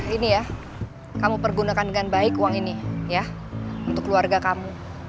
ini ya kamu pergunakan dengan baik uang ini ya untuk keluarga kamu